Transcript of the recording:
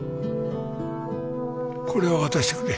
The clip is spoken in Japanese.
これを渡してくれ。